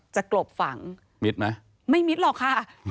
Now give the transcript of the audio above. กลบฝังมิดไหมไม่มิดหรอกค่ะ